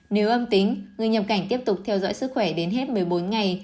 nếu âm tính người nhập cảnh tiếp tục theo dõi sức khỏe đến hết một mươi bốn ngày